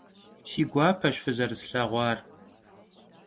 Si guapeş fızerıslheğuar.